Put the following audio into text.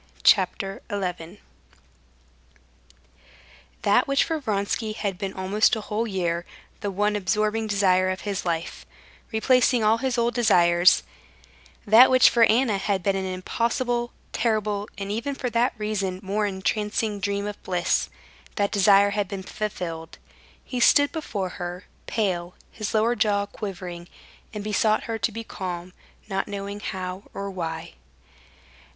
Chapter 11 That which for Vronsky had been almost a whole year the one absorbing desire of his life, replacing all his old desires; that which for Anna had been an impossible, terrible, and even for that reason more entrancing dream of bliss, that desire had been fulfilled. He stood before her, pale, his lower jaw quivering, and besought her to be calm, not knowing how or why.